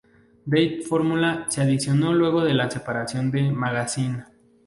Dave Formula se adicionó luego de la separación de Magazine.